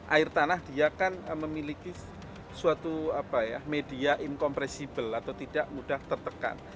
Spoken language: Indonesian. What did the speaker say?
air tanah dia kan memiliki suatu media incompressible atau tidak mudah tertekan